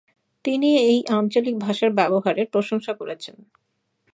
তিনি এই আঞ্চলিক ভাষার ব্যবহারের প্রশংসা করেছেন।